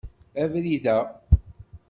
Abrid-a.